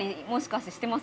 もしかして。